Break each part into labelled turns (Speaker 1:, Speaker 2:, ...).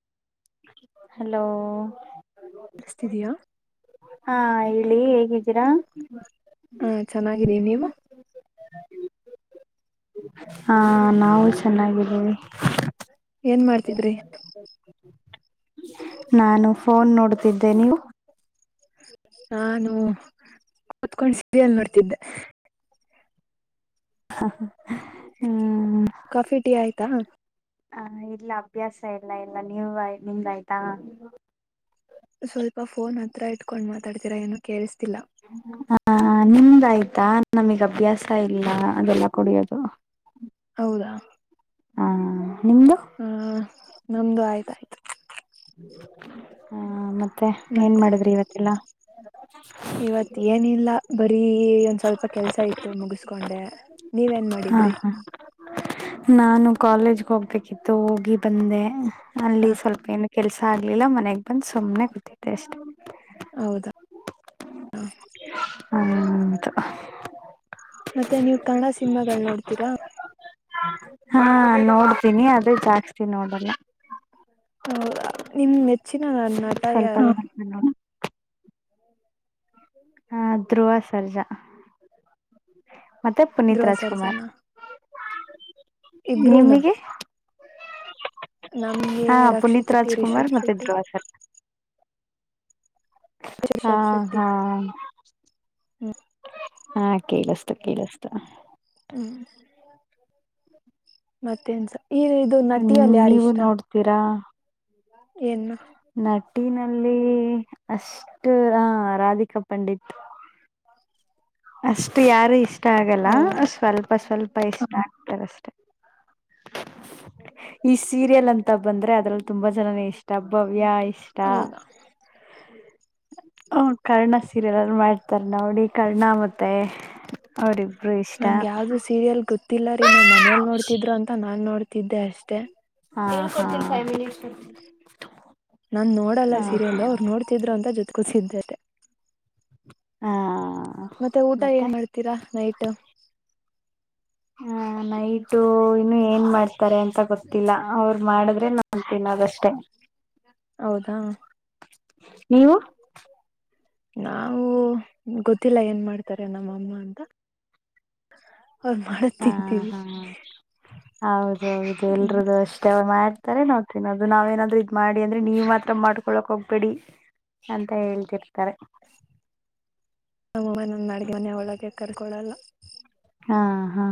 Speaker 1: [inaudible] hello
Speaker 2: ಕೇಳಿಸ್ತಿದೀಯಾ
Speaker 1: ಹಾ ಹೇಗಿದ್ದೀರಾ
Speaker 2: ಹಾ ಚೆನ್ನಾಗಿದ್ದೀ ನೀವು
Speaker 1: ಹಾ ನಾವು ಚೆನ್ನಾಗಿದ್ದೀವಿ
Speaker 2: ಏನ್ ಮಾಡ್ತಿದ್ರಿ
Speaker 1: ನಾನು ಫೋನ್ ನೋಡ್ತಿದ್ದೆ ನೀವು
Speaker 2: ನಾನು ಕುತ್ಕೊಂಡ್ ಸೀರಿಯಲ್ ನೋಡ್ತಿದ್ದೆ
Speaker 1: ಹ್ಮ್
Speaker 2: ಕಾಫಿ ಟೀ ಆಯ್ತಾ
Speaker 1: ಹ ಇಲ್ಲ ಅಭ್ಯಾಸ ಎಲ್ಲ ಎಲ್ಲ ನೀವು ನಿಮ್ದಾಯ್ತಾ
Speaker 2: ಸ್ವಲ್ಪ ಫೋನ್ ಹತ್ರ ಇಟ್ಕೊಂಡ್ ಮಾತಾಡ್ತಿೀರಾ ಏನು ಕೇಳಿಸ್ತಿಲ್ಲಾ
Speaker 1: ಹ ನಿಮ್ದಾಯ್ತಾ ನಮಗ್ ಅಭ್ಯಾಸ ಇಲ್ಲ ಅದೆಲ್ಲ ಕುಡಿಯೋದು
Speaker 2: ಹೌದಾ
Speaker 1: ಹಾ ನಿಮ್ದು
Speaker 2: ಹ್ಮ ನಮ್ದು ಆಯ್ತ ಆಯ್ತು
Speaker 1: ಹಾ ಮತ್ತ ಮತ್ತೆ ಏನ್
Speaker 2: ಮತ್ತೆ
Speaker 1: ಮಾಡಿದ್ರಿ ಇವತ್ತಲ್ಲ
Speaker 2: ಇವತ್ ಏನಿಲ್ಲ ಬರೀ ಒಂದ್ ಸ್ವಲ್ಪ ಕೆಲ್ಸ ಇತ್ತು ಮುಗಿಸಕೊಂಡೆ ನೀವೇನ್
Speaker 1: ಹಾ
Speaker 2: ಮಾಡಿದ್ರಿ
Speaker 1: ಹಾ ನಾನು ಕಾಲೇಜ್ಗೆ ಹೋಗ್ಬೇಕಿತ್ತು ಹೋಗಿ ಬಂದೆ ಅಲ್ಲಿ
Speaker 2: ಹ
Speaker 1: ಸ್ವಲ್ಪ ಏನು ಕೆಲ್ಸ ಆಗ್ಲಿಲ್ಲ ಮನೆ ಬಂದ ಸುಮ್ನೆ ಕುತ್ತಿದ್ದೆ ಅಷ್ಟೇ
Speaker 2: ಹಾ
Speaker 1: ಹ್ಮದು
Speaker 2: ಮತ್ತೆ ನೀವು ಕನ್ನಡ ಸಿನಿಮಾಗಳ ನೋಡ್ತೀರಾ
Speaker 1: ಹಾ ನೋಡ್ತೀನಿ ಅದೇ ಜಾಸ್ತಿ ನೋಡಲ್ಲ
Speaker 2: ಹೌದಾ ನಿಮ್ ಮೆಚ್ಚಿನ ನ
Speaker 1: ಸ್ವಲ್ಪೋ ಹಾ ಧ್ರುವ ಸರ್ಜಾ ಮತ್ತೆ ಪುನೀತ್
Speaker 2: ಧ್ರುವ
Speaker 1: ರಾಜ್ಕುಮಾರ್
Speaker 2: ಸರ್ಜನಾ ಇಬ್ರುನಾ
Speaker 1: ನಿಮಗೆ
Speaker 2: ನಮ್ಗೆ
Speaker 1: ಹಾ
Speaker 2: ರಕ್ಷಿತ್
Speaker 1: ಪುನೀತ್
Speaker 2: ಶೆಟ್ಟಿ
Speaker 1: ರಾಜ್ಕುಮಾರ್
Speaker 2: ರಿಷಬ್
Speaker 1: ಮತ್ತೆ
Speaker 2: ಶೆಟ್ಟಿ
Speaker 1: ದ್ರುವ ಸರ್ಜಾ ಹಾ
Speaker 2: ರಿಷಬ್ ಶೆಟ್ಟಿ
Speaker 1: ಹಾ
Speaker 2: ಹ್ಮ್
Speaker 1: ಹಾ ಕೇಳಿಸ್ತು ಕೇಳಸ್ತು
Speaker 2: ಹ್ಮ್ ಮತ್ತೇನ್ಸ ಈ ಇದು
Speaker 1: ನಿಮ್
Speaker 2: ನಟಿಯಲ್ಲಿ ಯಾರ
Speaker 1: ನೀವು
Speaker 2: ಇಷ್ಟ
Speaker 1: ನೋಡ್ತೀರಾ
Speaker 2: ಏನ್
Speaker 1: ನಟಿನಲ್ಲಿ ಅಷ್ಟು ಹ ರಾಧಿಕಾ ಪಂಡಿತ್ ಅಷ್ಟು ಯಾರು ಇಷ್ಟ ಇಷ್ಟ ಆಗಲ್ಲ
Speaker 2: ಹೌದಾ
Speaker 1: ಸ್ವಲ್ಪ ಸ್ವಲ್ಪ ಇಷ್ಟ ಆಗ್ತಾರಷ್ಟೆ ಈ ಸೀರಿಯಲ್ ಅಂತ ಬಂದ್ರೆ ಅದ್ರಲ್ಲಿ ತುಂಬಾ ಜನಾನೇ ಇಷ್ಟ ಬ್ಬವ್ಯ ಇ
Speaker 2: ಹೌದಾ
Speaker 1: ಹ ಕರ್ಣ ಸೀರಿಯಲಲ್ಲಿ ಮಾಡ್ತಾರ ನೋಡಿ ಕರ್ಣ ಮತ್ತ ತ್ತ ಅವರಿಬ್ರು ಇಷ್ಟ
Speaker 2: ಇಲ್ಲ ರೀ ನಮ್ಮ ಮನೇಲಿ ನೋಡ್ತಿದ್ರು ಅಂತ ನಾನ್ ನೋಡ್ ತಿದ್ದೆ ಅಷ್ಟೇ
Speaker 1: ಹಾ ಹ
Speaker 2: ನಾನ್ ನೋಡಲ್ಲ ಸೀರಿಯಲ್ ಅವ್ರು ನೋಡ್ತಿದ್ರು ಅಂತ ಜೊತೆ ಕುಸಿದ್ದೆ ಅಷ್ಟೆ
Speaker 1: ಹಾ
Speaker 2: ಮತ್ತೆ ಊಟ ಏನ್ ಮಾಡ್ತೀರಾ ನೈಟ್
Speaker 1: ಹಾ ನೈಟು ಇನ್ನು ಏನ್ ಮಾಡ್ತಿ ತಾರೆ ಅಂತ ಗೊತ್ತಿಲ್ಲ ಅವರು ಮಾಡಿದ್ರೆ ನಾನ್ ತಿನ್ನೋದ್ ಅಷ್ಟೇ
Speaker 2: ಹೌದಾ
Speaker 1: ನೀವು
Speaker 2: ನಾವು ಗೊತ್ತಿಲ್ಲ ಏನ್ ಮಾಡ್ತಾರೆ ನಮ್ಮಅಮ್ಮ ಅಂತ ಅವ್ರು ಮಾಡದ್
Speaker 1: ಹಾ
Speaker 2: ತಿಂತೀವಿ
Speaker 1: ಹಾ ಹೌದ ಹೌದು ಎಲ್ರುಗೂ ಅಷ್ಟ ಅವರ್ ಮಾ ತರೆ ನಾವು ತಿನೋದು ನಾವ್ ಏನಾದ್ರೂ ಇದ್ ಮಾಡಿ ಅಂದ್ರೆ ನೀವ್ ಮಾತ್ರ ಮಾಡ್ಕೊಳಕ್ ಹೋಗ್ಬೇಡಿ ಅಂತ ಹೇಳ್ತಿರ್ತಾರೆ
Speaker 2: ನಮ್ಮ ಅವ್ವ ನನ್ನ ಅಡಿಗೆ ಮನೆ ಒಳಗೆ ಕರ್ಕೊಳಲ್ಲ
Speaker 1: ಹಾ ಹಾ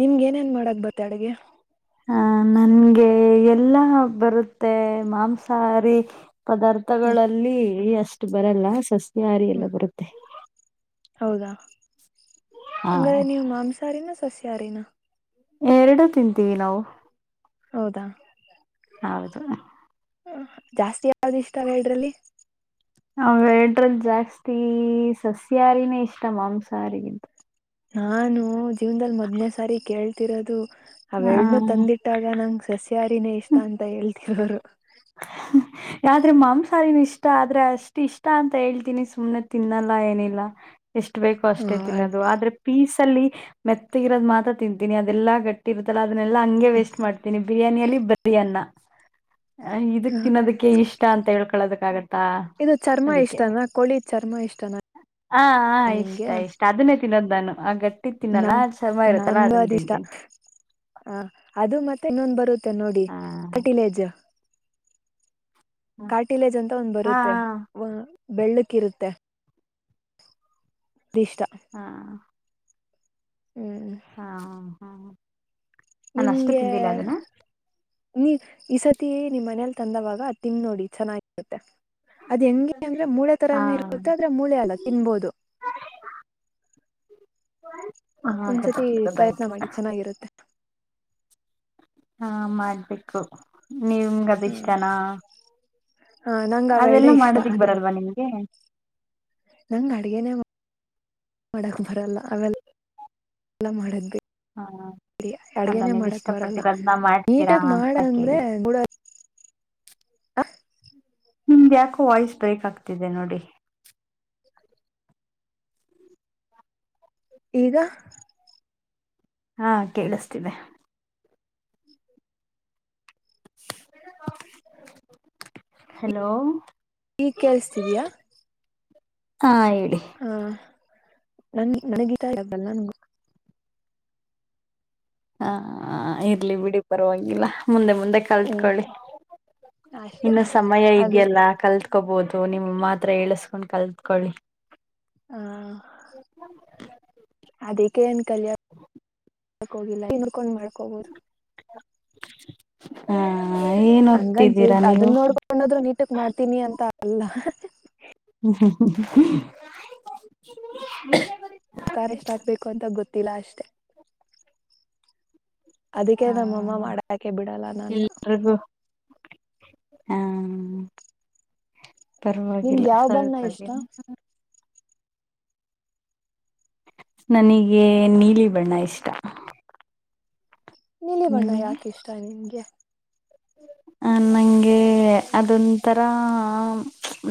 Speaker 2: ನಿಮ್ಗೆ ಏನೇನ್ ಮಾಡಕ್ ಬತ್ತ ಅಡುಗೆ
Speaker 1: ಹಹ ನನ್ಗೆ ಎಲ್ಲಾ ಬರುತ್ತೆ ಮಾಂಸಾಹಾರಿ
Speaker 2: ಹ್ಮ್
Speaker 1: ಪದಾರ್ಥಗಳಲ್ಲಿ ಅಷ್ಟು ಬರಲ್ಲ ಸಸ್
Speaker 2: ಹ್ಮ್
Speaker 1: ಯಾರಿಗೆಲ್ಲ ಬರುತ್ತೆ
Speaker 2: ಹೌದಾ
Speaker 1: ಹಾ
Speaker 2: ಹಂಗರ ನೀವು ಮಾಂಸಹಾರಿನ ಸಸ್ಯ ಹಾರಿನಾ
Speaker 1: ಎರಡು ತಿಂತೀವಿ ನಾವು
Speaker 2: ಹೌದಾ
Speaker 1: ಹೌದು
Speaker 2: ಹ ಜಾಸ್ತಿ ಯಾವ್ದ ಇಷ್ಟ ಅವ್ ಎರಡರಲ್ಲಿ
Speaker 1: ಅವ ಎಡ್ರಲ್ ಜಾಸ್ತಿ ಸಸ್ಯಾಹಾರಿನೇ ಇಷ್ಟ ಮಾಂಸಾಹಾರಿಗಿಂತ
Speaker 2: ನಾನು ಜೀವದಲ್ಲಿ ಮದ್ನೇ ಸಾರಿ ಕೇಳಿ ತ್ತಿರದು
Speaker 1: ಆ,
Speaker 2: ಅವೆರನುೂ ತಂದಿಟ್ಟಾಗ ನಂಗ್ ಸಸ್ಯಾರಿನೇ ಇಷ್ಟ ಅಂತ ಹೇಳ್ತಿ ಹರು [unintelligible]
Speaker 1: ಯ್ರೆ ಮಾಂಸಾರಿನ ಇಷ್ಟ ಆದ್ರೆ ಅಷ್ಟ ಇಷ್ಟ ಅಂತ ಹೇಳ್ತೀನಿ ಸುಮ್ನೆ ತಿನ್ನಲ್ಲ ಏನಿಲ್ಲ ಎಷ್ಟು ಬೇಕೋ ಅಷ್ಟೇ
Speaker 2: ಹ
Speaker 1: ತಿನ್ನೋದು ಆದ್ರೆ ಪೀಸ್ ಮೆತ್ತಗಿರೋ ಮಾತ್ರ ತಿಂತೀನಿ ಅದೆಲ್ಲಾ ಗಟ್ಟಿ ಇರತ್ತದಲ್ಲ ಅದನ್ನೆಲ್ಲ ಹಂಗೆ ವೇಸ್ಟ್ ಮಾಡ್ತೀನಿ ಬಿರಿಯಾನಿಯಲ್ಲಿ ಬರಿಯನ್ನ ಇದಕ್ ತಿನ್ನೋದಕ್ಕೆ ಇಷ್ಟ ಅಂತ ಹೇಳ್ಕೊಳೋದಕ್ಕೆ ಸ
Speaker 2: ಇದು ಚರ್ಮ
Speaker 1: ಅದಕ್ಕೆ
Speaker 2: ಇಷ್ಟನಾ ಕೋಳಿ ಚರ್ಮ ಇಷ್ಟನಾ
Speaker 1: ಹ ಹ ಇಷ್ಟ ಇಷ್ಟ ಅದನ್ನ ತಿದ್ದಾನು ಆಗತ್ತ
Speaker 2: ನ
Speaker 1: ತಿನ್ನಲ್ಲ ಅದ್ ಚರ್ಮ ಇರುತ್ತಲ್ಲ
Speaker 2: ನನ್ ಬದಷ್ಟ ಹ ಅದು ಮತ್ತೆ ಇನ್ನೊ್ ಬರು ನೋಡಿ
Speaker 1: ಹಾ
Speaker 2: ಫಟಿಲೇಜ
Speaker 1: ಹಾ
Speaker 2: ಕಾಟಿಲೇಜ್ ಅಂತ ಒಂದ್ ಬರುತ್ತೆ
Speaker 1: ಹಾ
Speaker 2: ಬೆಳ್ಳಕ್ ಕಿರುತೆ ಇಷ್ಟ
Speaker 1: ಹಾ
Speaker 2: ಹ್ಮ್
Speaker 1: ಹಾ ಹಾ ನಾನು ಅಷ್ಟು
Speaker 2: ನಿಮ್ಗೆ
Speaker 1: ತಿಂದಿಲ್ಲ ಅದನ್ನ
Speaker 2: ನೀ ಈ ಸತಿ ನಿಮ್ ಮನಲಿ ತಂದವಾಗ ತಿನ್ ನೋಡಿ ಚೆನ್ನಾಗಿರುತ್ತೆ ಅದ್ ಹೆಂಗೆ ಅಂದ್ರೆ ಮೂಳೆ ತರ
Speaker 1: ಹಾ
Speaker 2: ಇರುತ್ತೆ ಆದ್ರೆ ಮೂಳೆ ಅಲ್ಲ ತಿನ್ಬೋದು
Speaker 1: ಹಾ
Speaker 2: ಒಂದ್ಸತಿ
Speaker 1: ಗೊತ್ತಾಯ್ತು
Speaker 2: ಪ್ರಯತ್ನ
Speaker 1: ಗೊತ್ತಾಯ್ತು
Speaker 2: ಮಾಡಿ ಚೆನ್ನಾಗಿರುತ್ತೆ
Speaker 1: ಹಾ ಮಾಡ್ಬೇಕು ನಿಮಗೆ ಅದ ಇಷ್ಟನ
Speaker 2: ಹ ನಂಗ ಅವೆರಡೆ
Speaker 1: ಅದೆಲ್ಲ
Speaker 2: ಇಷ್ಟ
Speaker 1: ಮಾಡೋದಿಕ್
Speaker 2: ಆದ್ರೆ
Speaker 1: ಬರಲ್ವಾ ನಿಮ್ಗೆ
Speaker 2: ನಂಗ್ ಅಡ್ಗೆನೆ ಮಾಡಕ್ ಬರಲ್ಲ ಅವೆಲ್ಲಲ್ಲ ಮಾಡದವಿ
Speaker 1: ಹಾ
Speaker 2: ಸರಿ
Speaker 1: ಅಲ್ಲ
Speaker 2: ಅಡ್ಗನೆೇ
Speaker 1: ನೀವ್
Speaker 2: ಮಾಡಕ್ ಬರಲ್ಲ
Speaker 1: ಇಷ್ಟಪಟ್ಟಿರೋದ್ನ ಮಾಡ್ತೀರಾ
Speaker 2: ನೀಟಾಗ ಮಾಡ
Speaker 1: ಅಂತ ಕೇಳಿದೆ
Speaker 2: ಅಂದ್ರೊಡ ಹ
Speaker 1: ನಿಮ್ದ್ಯಾಕೋ ವಾಯ್ಸ್ ಬ್ರೇಕ್ ಆಗ್ತಿದೆ ನೋಡಿ
Speaker 2: ಈಗ
Speaker 1: ಹಾ ಕೇಳಿಸ್ತಿದೆ ಹಲೋ
Speaker 2: ಈಗ್ ಕೇೇಳಸ್ತಿದಯಾ
Speaker 1: ಹಾ ಹೇಳಿ
Speaker 2: ಹಾ ನನ್ ನನಗತ ಇಬಲ್ಲ ನನ್ಗೂ
Speaker 1: ಹಾ ಇರ್ಲಿ ಬಿಡಿ ಪರವಾಗಿಲ್ಲ ಮುಂದೆ ಮುಂದೆ
Speaker 2: ಹ್ಮ್
Speaker 1: ಕಲ್ತ್ಕೊಳ್ಳಿ
Speaker 2: ಅಷ್ಟೆ
Speaker 1: ಇನ್ನು ಸಮಯ
Speaker 2: ಅದಕ್ಕೆ
Speaker 1: ಇದೆಯಲ್ಲ ಕಲ್ತ್ಕೋಬೋುದು ನಿಮ್ಮಮ್ಮ ಮಾತ್ರ ಎಏಸ್ಕೊಂಡ್ ಕಲ್ತ್ಕೊಳ್ಳಿ
Speaker 2: ಹಾ ಅದಕ್ಕೆ ಎನ ಕಲ್ಯ ಮಾಡಕೋಗಿಲ್ಲ ಇನ್ಕೊಂಡ್ ಮಾಡ್ಕೋಗೋರು
Speaker 1: ಹಾ ಏನ್
Speaker 2: ಹಂಗ ಜ
Speaker 1: ಓದ್ತಿದ್ದೀರಾ
Speaker 2: ಅದನ್ನ
Speaker 1: ನೀವು
Speaker 2: ನೋಡ್ಕೊಂಡದ್ರು ನೀಟಕ್ ಮಾಡ್ತೀನಿ ಅಂತ ಅಲ್ಲ
Speaker 1: ಹ್ಮ ಹ
Speaker 2: ತಿಲ ಅಷ್ಟೆ ಅದಕ್ಕೆ
Speaker 1: ಹಾ
Speaker 2: ನಮ್ಮಮ್ಮ ಮಾಡಕೆ ಬಿಡಲ್ಲ ನನ್ನ
Speaker 1: ಎಲ್ರಿಗೂ ಹಾ ಪರವಾಗಿಲ್ಲ
Speaker 2: ನಿಮ್ಗೆ ಯಾವ ಬಣ್ಣ
Speaker 1: ಸ್ವಲ್ಪ
Speaker 2: ಇಷ್ಟ
Speaker 1: ದ ನನಗೆ ನೀಲಿ ಬಣ್ಣ ಇಷ್ಟ
Speaker 2: ನಿಲಿ ಬಣ್ಣ ಯಾಕೆ ಇಷ್ಟ ನಿಮಗೆ
Speaker 1: ಹ ನಂಗೆ ಅದೊಂಂತರ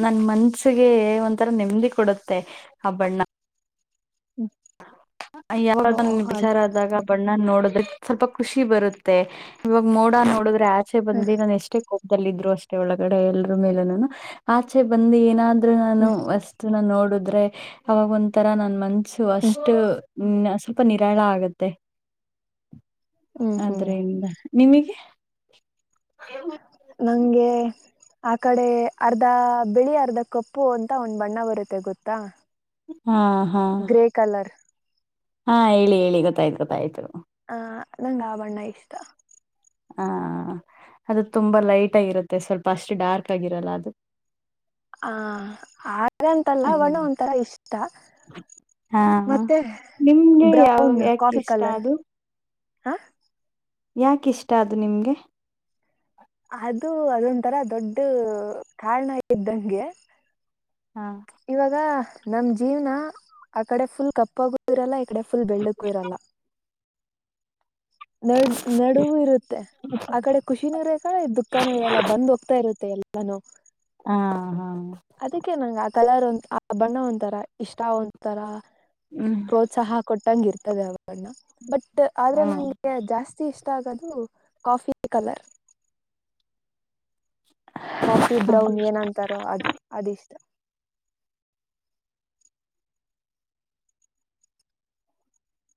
Speaker 1: ನನ್ ಮನ್ಸಿಗೆ ಒಂಥರ ನೆಮ್ಮದಿ ಕೊಡುತ್ತೆ ಹಬ್ಬಣ್ಣ
Speaker 2: ಹ್ಮ್
Speaker 1: ಯಾವ ವಿಚಾರ ಆದಾಗ ಬಣ್ಣ ನೋಡ ಸ್ವಲ್ಪ ಖುಷಿ ಬರುತ್ತೆ ಇವಾಗ ಮೋಡ ನೋಡಿದ್ರೆ [inaudible]
Speaker 2: ಹ್ಮ್
Speaker 1: ಬಂದ ನು ಎಷ್ಟೇ ಹೋಗ ಲ್ಲ ಇದ್ರು ಅಷ್ಟೇ ಒಳಗಡೆ ಎಲ್ರ ಮೇಲೆ ಆಚೆ ಬಂದು ಏನಾದ್ ನಾನು
Speaker 2: ಹ್ಮ್
Speaker 1: ಅಷ್ಟಟ್ ನೋಡ ್ರೆ ಅವಾಗ ಒ ತರ ನ ಮ ಸು
Speaker 2: ಹ್ಮ್
Speaker 1: ಅಷ್ಟು ಹ್ಮ್ ಸ್ವಲ್ಪ ನೀರಳ ಆಗತ್ತೆ
Speaker 2: ಹ್ಮ್ ಹ್ಮ್
Speaker 1: ಆದದ್ರಿಂದ ನಿಮಗೆ
Speaker 2: ನಂಗೆ ಆ ಕಡೆ ಅರ್ಧ ಬಿಳಿ ಅರ್ಧ ಕಪ್ಪು ಅಂತ ಒಂದು್ ಬಣ್ಣ ಬರುತ್ತೆ ಗೊತ್ತಾ
Speaker 1: ಹ್ಮ ಹಾ ಹಾ
Speaker 2: ಗ್ರೇ ಕಲರ್
Speaker 1: ಹಾ ಹೇಳಿ ಹೇಳಿ ಗೊತ್ತಾಯ್ತು ಗೊತ್ತಾಯ್ತು
Speaker 2: ನಂಗ ಆ ಬಣ್ಣ ಇಷ್ಟ
Speaker 1: ಹಾ ಅದು ತುಂಬಾ ಲೈಟ್ ಆಗಿರುತ್ತೆ ಸ್ವಲ್ಪ ಅಷ್ಟು ಡಾರ್ಕ್ ಆಗಿರಲ್ಲ ಅದು
Speaker 2: ಆ ಆದಂತಲ್ಲ ಬಣ್ಣ ಒಂಥರ ಇಷ್ಟ
Speaker 1: ಹಾ
Speaker 2: ಮತ್ತೆ
Speaker 1: ನಿಮ್ಗೆ ಯಾವ
Speaker 2: ಬ್ರೌನ್
Speaker 1: ಯಾಕೆ
Speaker 2: ಕಾಫಿ
Speaker 1: ಇಷ್ಟ
Speaker 2: ಕಲರ್
Speaker 1: ಅದು
Speaker 2: ಹಾ
Speaker 1: ಯಾಕಿಷ್ಟ ಅದು ನಿಮ್ಗೆ
Speaker 2: ಅದು ಅದೊಂತರ ದೊಡ್ಡ ಕಾರಣ ಇದ್ದಂಗೆ
Speaker 1: ಹಾ
Speaker 2: ಇವಾಗ ನಮ್ ಜೀವ್ನ ಆ ಕಡೆ ಫುಲ್ ಕಪ್ಪಾಗೂ ಇರಲ್ಲ ಈ ಕಡೆ ಫುಲ್ ಬೆಳ್ಳಕ್ಕೂ ಇರಲ್ಲ ನಡ್ ನಡುವೂ ಇರುತ್ತೆ ಆ ಕಡೆ ಖುಷಿನೂ ಇರಲ ದುಃಖಾನೂ ಇರಲ್ಲ ಬಂದ್ ಹೋಗ್ತಾ ಇರುತ್ತೆ ಮ ಎಲ್ಲಾನು
Speaker 1: ಹಾ ಹಾ
Speaker 2: ಅದಕ್ಕೆ ನಂಗೆ ಆ ಕಲರ್ ಒ ಬಣ್ಣ ಒಂತರ ಇಷ್ಟ ಒಂತರ
Speaker 1: ಹ್ಮ್
Speaker 2: ಪ್ರೋತ್ಸಾಹ ಕೊಟ್ಟಂಗಿರ್ತ ಅದ ಅವ [inaudible] ಬಟ್ ಆದ್ರೆ
Speaker 1: ಹ್ಮ್
Speaker 2: ನಂಗ ಗೆ ಜಾಸ್ತಿ ಇಷ್ಟಾಗದು ಕಾಫಿ ಕಲರ್ ಕಾಫಿ
Speaker 1: ಹಾ
Speaker 2: ಬ್ರೌನ್ ಏನಂತಾರೋ ಅದು ಅದ ಇಷ್ಟ